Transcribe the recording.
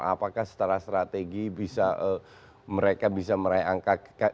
apakah setelah strategi mereka bisa meraih angka